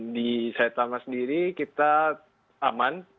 di saitama sendiri kita aman